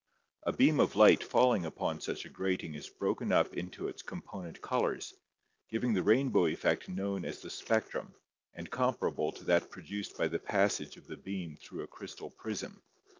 A beam of light falling upon such a grating is broken up into its component colors, giving the rainbow effect known as the spectrum and comparable to that produced by the passage of the beam through a crystal prism.